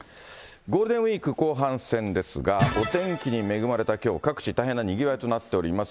ゴールデンウィーク後半戦ですが、お天気に恵まれたきょう、各地、大変なにぎわいとなっています。